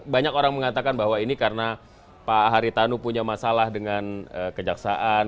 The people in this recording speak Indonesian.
banyak orang mengatakan bahwa ini karena pak haritanu punya masalah dengan kejaksaan